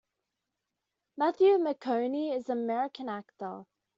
Matthew McConaughey is an American actor.